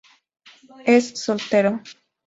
Es soltero.